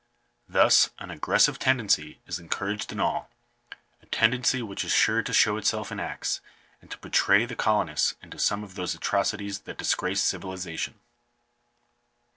Thus an aggressive tendency is encouraged in all — a ten* dency which is sure to show itself in acts, and to betray the colonists into some of those atrocities that disgrace civilization.